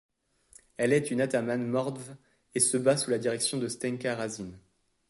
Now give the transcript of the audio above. Elle est une atamane mordves et se bat sous la direction de Stenka Razine.